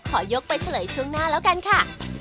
ขอยกไปเฉลยช่วงหน้าแล้วกันค่ะ